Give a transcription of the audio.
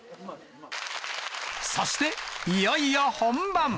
そして、いよいよ本番。